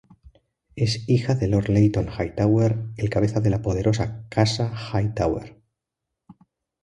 Es hija de Lord Leyton Hightower, el cabeza de la poderosa Casa Hightower.